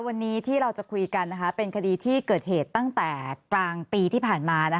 วันนี้ที่เราจะคุยกันเป็นคดีที่เกิดเหตุตั้งแต่กลางปีที่ผ่านมา